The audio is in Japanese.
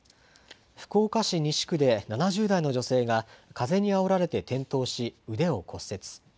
福岡市西区で７０代の女性が風にあおられて転倒し、腕を骨折。